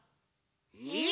えっ？